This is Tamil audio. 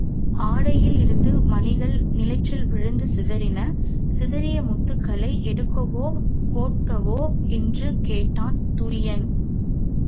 ஆடையில் இருந்த மணிகள் நிலத்தில்விழுந்து சிதறின சிதறிய முத்துக்களை எடுக்கவோ கோக்கவோ என்று கேட்டான் துரியன்.